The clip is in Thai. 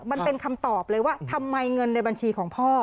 มันเป็นคำตอบเลยว่าทำไมเงินในบัญชีของพ่อ